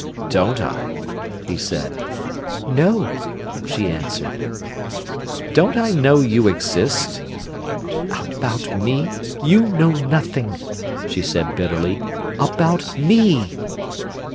"Don't I?" he said. "No," she answered. "Don't I know you exist?" "About me you know nothing," she said bitterly—"about _me!